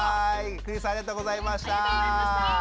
栗栖さんありがとうございました！